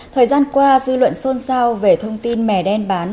thời gian qua dư luận xôn xao về thông tin mè đen bán